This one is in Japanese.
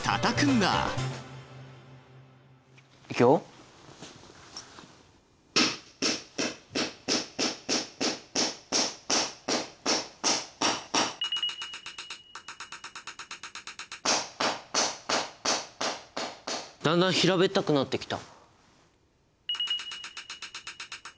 だんだん平べったくなってきた！